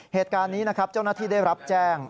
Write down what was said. เหตุการณ์นี้นะครับเจ้าหน้าที่ได้รับแจ้ง